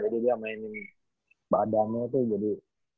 jadi dia mainin badannya tuh jadi